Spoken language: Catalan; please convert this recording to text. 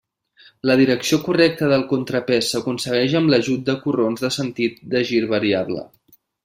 La direcció correcta del contrapès s'aconsegueix amb l'ajut de corrons de sentit de gir variable.